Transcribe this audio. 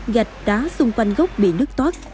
gạch đá xung quanh gốc bị nứt toát